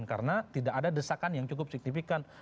karena tidak ada desakan yang cukup signifikan